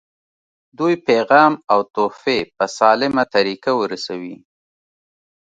دوی پیغام او تحفې په سالمه طریقه ورسوي.